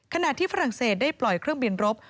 ขณะที่ฝรั่งเศสได้ปล่อยเครื่องบินรบ